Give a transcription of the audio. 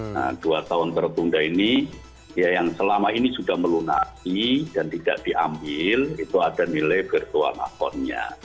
nah dua tahun tertunda ini ya yang selama ini sudah melunasi dan tidak diambil itu ada nilai virtual accountnya